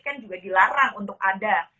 kan juga dilarang untuk ada